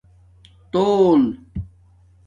تُݸل